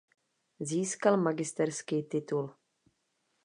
Získal magisterský titul.